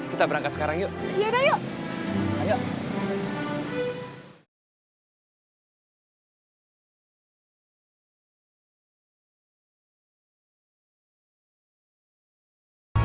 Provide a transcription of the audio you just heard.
kita berangkat sekarang yuk